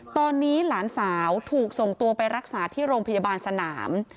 ตอนนี้หลานสาวถูกส่งตัวไปรักษาที่โรงพยาบาลสนาม